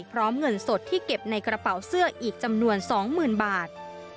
พร้อมเงินสดที่เก็บในกระเป๋าเสื้ออีกจำนวน๒๐๐๐บาท